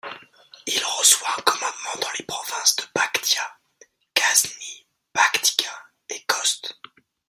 Il reçoit un commandement dans les provinces de Paktia, Ghazny, Paktika et Khost.